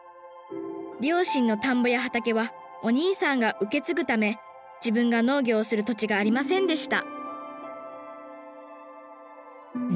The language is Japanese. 両親の田んぼや畑はお兄さんが受け継ぐため自分が農業をする土地がありませんでした